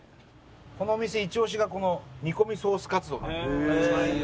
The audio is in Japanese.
このお店イチ押しがこの煮込みソースカツ丼。